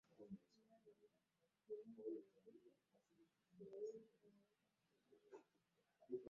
Sasa unapiga nduru kwani ushapoteza hela.